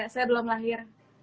saya belum lahir